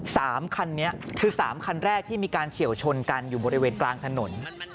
สามคันนี้คือสามคันแรกที่มีการเฉียวชนกันอยู่บริเวณกลางถนน